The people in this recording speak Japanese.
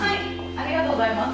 ありがとうございます。